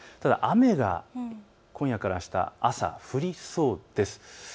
ただ雨が今夜からあした朝、降りそうです。